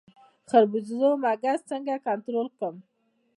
د خربوزو مګس څنګه کنټرول کړم؟